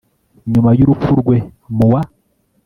nyuma y'urupfu rwe mu wa